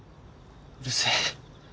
うるせえ。